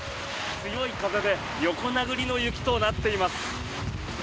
強い風で横殴りの雪となっています。